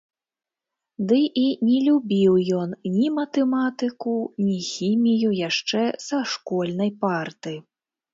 Ды і не любіў ён ні матэматыку, ні хімію яшчэ са школьнай парты.